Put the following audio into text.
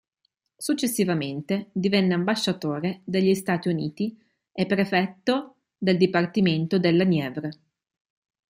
Successivamente divenne ambasciatore negli Stati Uniti e prefetto del dipartimento della Nièvre.